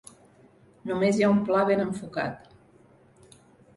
Només hi ha un pla ben enfocat.